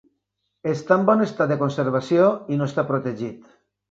Està en bon estat de conservació i no està protegit.